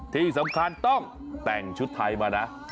ที่สำคัญต้องแต่งชุดไทยมานะ